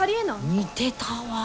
似てたわ！